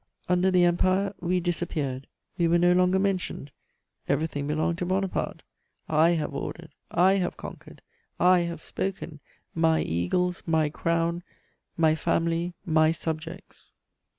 Under the Empire, we disappeared; we were no longer mentioned, everything belonged to Bonaparte: "I have ordered, I have conquered, I have spoken; my eagles, my crown, my family, my subjects."